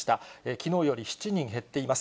きのうより７人減っています。